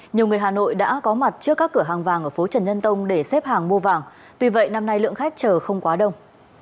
nhiều người hà nội đã có mặt trước các cửa hàng vàng ở phố trần nhân tông để xếp hàng mua vàng tuy vậy năm nay lượng khách chờ không quá đông